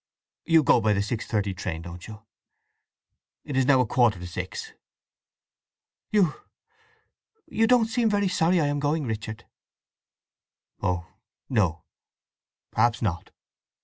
"You go by the six thirty train, don't you? It is now a quarter to six." "You… You don't seem very sorry I am going, Richard!" "Oh no—perhaps not."